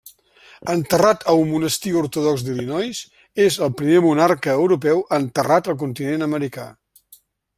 Enterrat a un monestir ortodox d'Illinois, és el primer monarca europeu enterrat al continent americà.